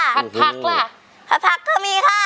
ผักผักล่ะผัดผักก็มีค่ะ